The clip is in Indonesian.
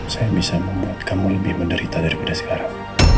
saya bisa membuat kamu lebih menderita daripada sekarang